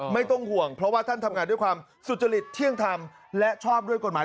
ไม่ต้องห่วงเพราะว่าท่านทำงานด้วยความสุจริตเที่ยงธรรมและชอบด้วยกฎหมาย